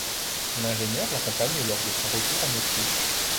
L'ingénieur l'accompagne lors de son retour en Autriche.